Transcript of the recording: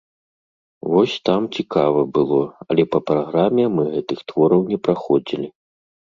Вось там цікава было, але па праграме мы гэтых твораў не праходзілі.